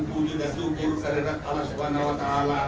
bujur dan bukit karyat allah swt